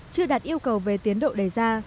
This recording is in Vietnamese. chưa đạt yêu cầu về tiến độ đầy ra